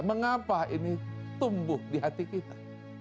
mengapa ini tumbuh di hati kita